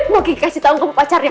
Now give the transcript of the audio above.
mau ki kasih tau kamu pacarnya